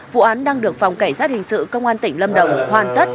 vụ án đang được phòng cảnh sát hình sự công an tỉnh lâm đồng hoàn tất